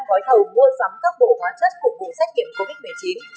năm gói thầu mua sắm các bộ hóa chất cục vụ xét kiểm covid một mươi chín